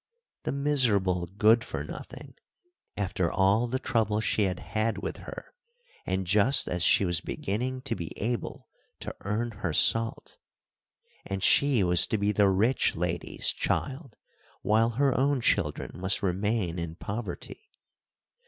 "The miserable Good for Nothing," after all the trouble she had had with her, and just as she was beginning to be able to "earn her salt." And she was to be the rich lady's child, while her own children must remain in poverty.